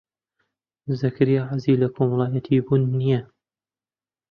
زەکەریا حەزی لە کۆمەڵایەتیبوون نییە.